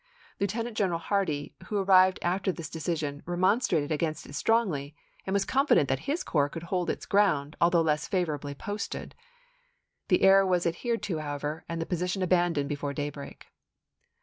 Lieutenant General Hardee, who arrived after this decision, remonstrated against it strongly, and was confident "JNarraSve that his corps could hold its ground, although less 0 opera^y favorably posted. The error was adhered to how p. 324. ever and the position abandoned before daybreak."